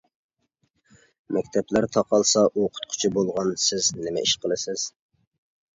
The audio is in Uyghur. مەكتەپلەر تاقالسا ئوقۇتقۇچى بولغان سىز نېمە ئىش قىلىسىز!